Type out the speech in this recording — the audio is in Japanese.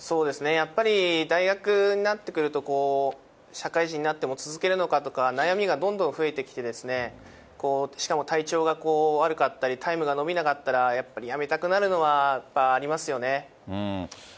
やっぱり大学になってくると、社会人になっても続けるのかとか、悩みがどんどん増えてきてですね、しかも体調が悪かったり、タイムが伸びなかったら、やっぱりやめたくなるのはやっぱありますよね。